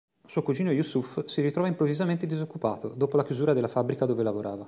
Suo cugino Yusuf si ritrova improvvisamente disoccupato, dopo la chiusura della fabbrica dove lavorava.